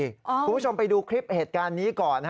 คุณผู้ชมไปดูคลิปเหตุการณ์นี้ก่อน